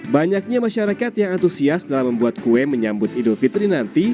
banyaknya masyarakat yang antusias dalam membuat kue menyambut idul fitri nanti